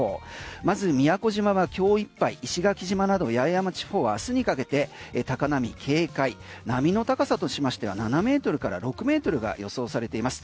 まず宮古島は今日いっぱい石垣島など八重山地方は明日にかけて高波警戒波の高さとしましては７ｍから６ｍが予想されています。